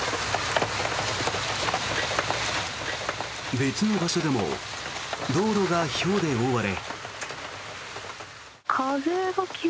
別の場所でも道路がひょうで覆われ。